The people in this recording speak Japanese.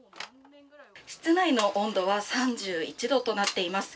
室内の温度は３１度となっています。